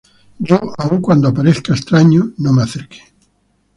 yo, aun cuando parezca extraño, no me acerqué.